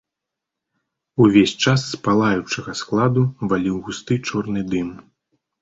Увесь час з палаючага складу валіў густы чорны дым.